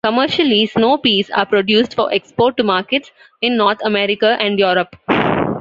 Commercially, snow peas are produced for export to markets in North America and Europe.